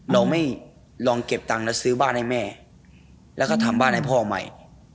เราไม่ลองเก็บตังค์แล้วซื้อบ้านให้แม่แล้วก็ทำบ้านให้พ่อใหม่